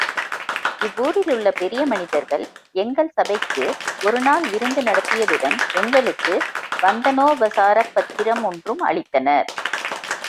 இவ்வூரிலுள்ள பெரிய மனிதர்கள், எங்கள் சபைக்கு ஒரு நாள் விருந்து நடத்தியதுடன் எங்களுக்கு வந்தனோபசாரப் பத்திரம் ஒன்றும் அளித்தனர்.